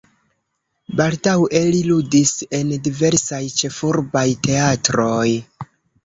Baldaŭe li ludis en diversaj ĉefurbaj teatroj.